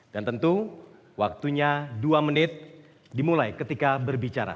dan tentu waktunya dua menit dimulai ketika berbicara